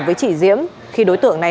với chị diễm khi đối tượng này